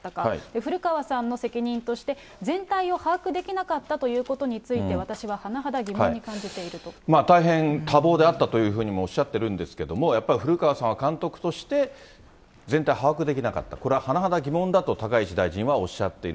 古川さんの責任として、全体を把握できなかったということについて私は甚だ疑問に感じて大変多忙であったというふうにもおっしゃってるんですけど、やっぱり古川さんは監督として、全体を把握できなかった、これは甚だ疑問だと、高市大臣はおっしゃっている。